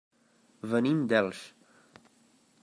Venim d'Elx.